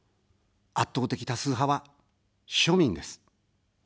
圧倒的多数派は庶民です。